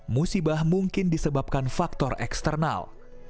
musibah mungkin disebabkan faktor eksternal